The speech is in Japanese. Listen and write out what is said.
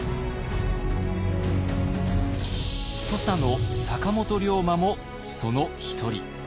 土佐の坂本龍馬もその一人。